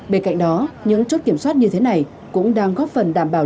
bên cạnh đó những chốt kiểm soát như thế này cũng đang góp phần đảm bảo